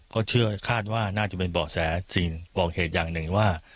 ก็เชื่อคาดว่าน่าจะเป็นเบาะแสสิ่งบอกเหตุอย่างหนึ่งว่า